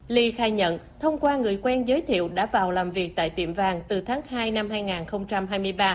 ly khai nhận thông qua người quen giới thiệu đã vào làm việc tại tiệm vàng từ tháng hai năm hai nghìn hai mươi ba